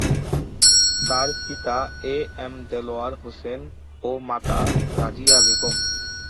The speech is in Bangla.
তার পিতা এ এম দেলোয়ার হোসেন ও মাতা রাজিয়া বেগম।